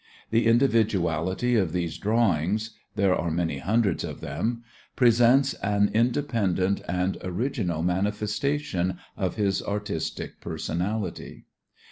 The individuality of these drawings there are many hundreds of them presents an independent and original manifestation of his artistic personality.